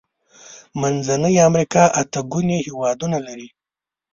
منځنۍ امريکا اته ګونې هيوادونه لري.